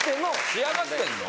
仕上がってんの？